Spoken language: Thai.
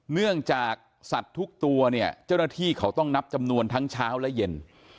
เนื่องจากสัตว์ทุกตัวเนี่ยเจ้าหน้าที่เขาต้องนับจำนวนทั้งเช้าและเย็น